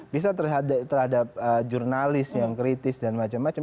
bisa terhadap jurnalis yang kritis dan macam macam